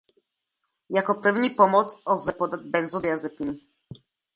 Jako první pomoc lze podat benzodiazepiny.